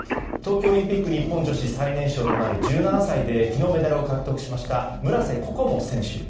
冬季オリンピック日本女子最年少となる１７歳で昨日、メダルを獲得した村瀬心椛選手。